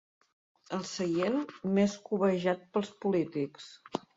El seient més cobejat pels polítics.